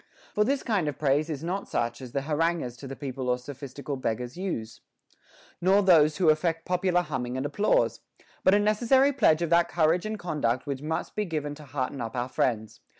* For this kind of praise is not such as the haranguers to the people or sophistical beggars use, nor those who affect popular humming and applause ; but a necessary pledge of that courage and conduct which must be given to hearten up our friends.